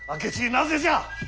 なぜじゃ！